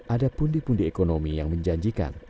ada pundi pundi ekonomi yang menjanjikan